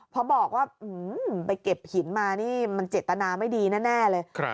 พอบอกว่าไปเก็บหินมานี่มันเจตนาไม่ดีแน่เลย